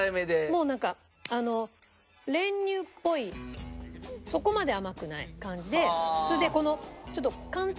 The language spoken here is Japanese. もうなんか練乳っぽいそこまで甘くない感じでそれでちょっと寒天っぽい。